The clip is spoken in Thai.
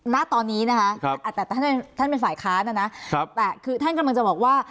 น่ะตอนนี้นะฮะอ่ะแต่ท่านท่านเป็นฝ่ายค้านะนะครับแต่คือท่านกำลังจะบอกว่า